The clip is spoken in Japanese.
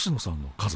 家族。